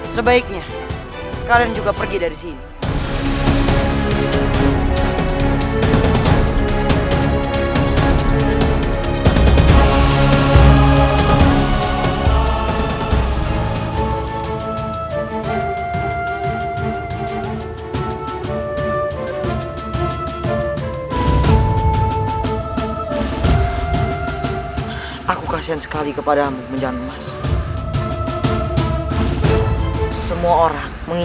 sampai jumpa di video selanjutnya